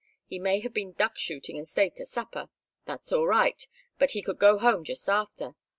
He may have been duck shooting and stayed to supper. That's all right, but he could go home just after.